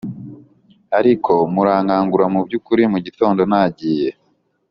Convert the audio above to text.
ariko murankangura mubyukuri mugitondo nagiye